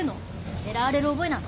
狙われる覚えなんかないし。